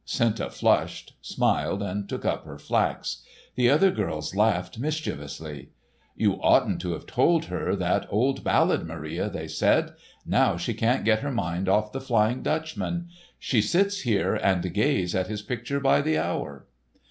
Senta flushed, smiled, and took up her flax. The other girls laughed mischievously. "You oughtn't to have told her that old ballad, Maria!" they said. "Now she can't get her mind off the Flying Dutchman. She sits here and gazes at his picture by the hour."